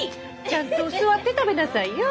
ちゃんと座って食べなさいよ。